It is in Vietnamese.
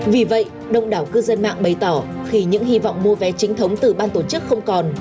vì vậy đông đảo cư dân mạng bày tỏ khi những hy vọng mua vé chính thống từ ban tổ chức không còn